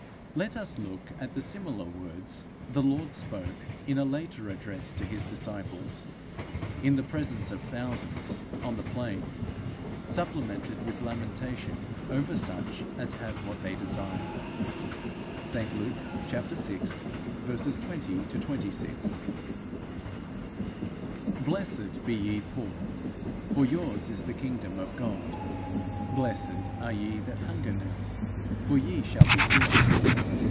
Let us look at the similar words the Lord spoke in a later address to his disciples, in the presence of thousands, on the plain, supplemented with lamentation over such as have what they desire: St Luke vi. 20 26. _'Blessed be ye poor, for yours is the kingdom of God. Blessed are ye that hunger now, for ye shall be filled.